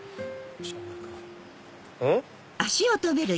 うん？